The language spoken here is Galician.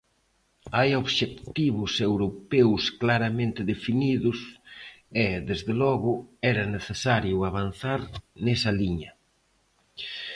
Hai obxectivos europeos claramente definidos e, desde logo, era necesario avanzar nesa liña.